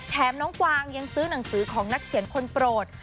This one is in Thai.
น้องกวางยังซื้อหนังสือของนักเขียนคนโปรด